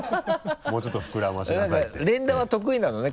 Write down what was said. もうちょっと膨らましなさいって連打は得意なのね？